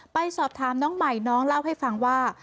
ไปสอบถามน้องใหม่น้องเล่าให้ฟังว่า